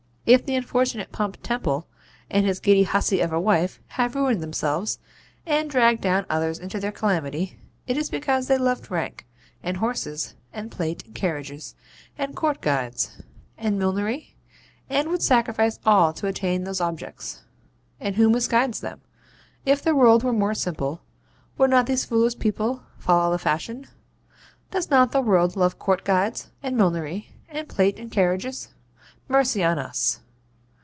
If the unfortunate Pump Temple and his giddy hussy of a wife have ruined themselves, and dragged down others into their calamity, it is because they loved rank, and horses, and plate, and carriages, and COURT GUIDES, and millinery, and would sacrifice all to attain those objects. And who misguides them? If the world were more simple, would not those foolish people follow the fashion? Does not the world love COURT GUIDES, and millinery, and plate, and carriages? Mercy on us!